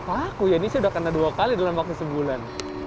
aku ya ini sudah kena dua kali dalam waktu sebulan